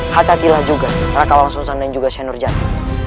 hatilah juga raka wangsungusah dan juga syed nurjati